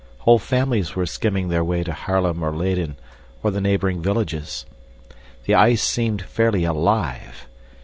Whole families were skimming their way to Haarlem or Leyden or the neighboring villages. The ice seemed fairly alive.